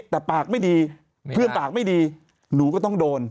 แต่ปากไม่ดีเพื่อนปากไม่ดีหนูก็ต้องโดน